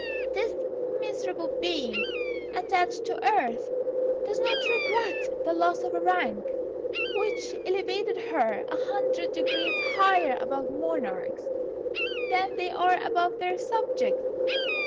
This miserable being, attached to earth, does not regret the loss of a rank which elevated her a hundred degrees higher above monarchs than they are above their subjects.